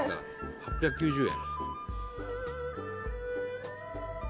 ８９０円。